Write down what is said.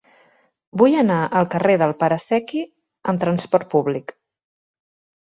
Vull anar al carrer del Pare Secchi amb trasport públic.